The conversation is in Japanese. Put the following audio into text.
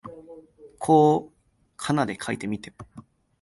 こう仮名で書いてみても、